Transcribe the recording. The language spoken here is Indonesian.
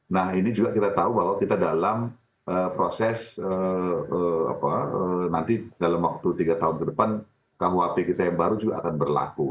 nah ini juga kita tahu bahwa kita dalam proses nanti dalam waktu tiga tahun ke depan kuap kita yang baru juga akan berlaku